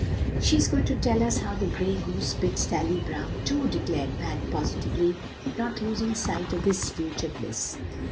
"She's going to tell us how the old gray goose bit Sally Brown, too," declared Van positively, not losing sight of this future bliss.